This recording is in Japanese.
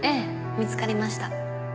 見つかりました。